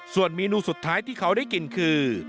ส่วนเมนูสุดท้ายที่เขาได้กินคือ